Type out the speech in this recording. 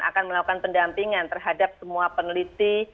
akan melakukan pendampingan terhadap semua peneliti